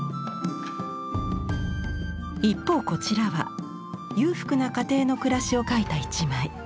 一方こちらは裕福な家庭の暮らしを描いた一枚。